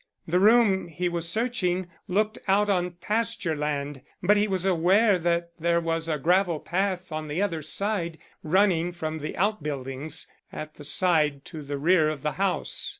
The room he was searching looked out on pasture land, but he was aware that there was a gravel path on the other side, running from the outbuildings at the side to the rear of the house.